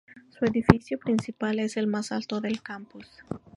Su edificio principal es el más alto del campus.